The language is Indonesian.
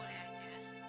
boleh boleh aja